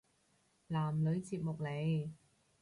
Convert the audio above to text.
男女節目嚟